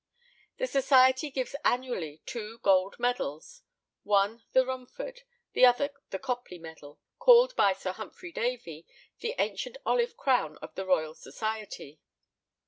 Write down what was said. The society gives annually two gold medals one the Rumford, the other the Copley medal, called by Sir Humphrey Davy "the ancient olive crown of the Royal Society."